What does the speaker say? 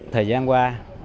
thời gian qua